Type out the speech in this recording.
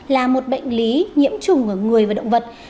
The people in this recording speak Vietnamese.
là một bệnh lý nhiễm chủng của người và động vật